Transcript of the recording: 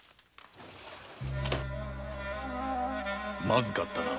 まずかったな。